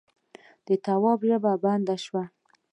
د تواب ژبه بنده شوه: